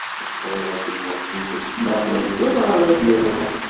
Bɣiɣ ad d-iniɣ tidet, meɛna uggadeɣ ara d-yeḍrun